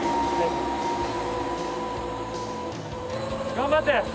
頑張って！